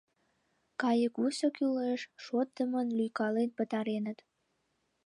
Кайыквусо кӱлеш — шотдымын лӱйкален пытареныт.